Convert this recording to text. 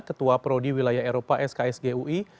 ketua prodi wilayah eropa sksgui